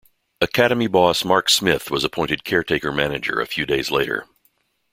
Academy boss Mark Smith was appointed caretaker manager a few days later.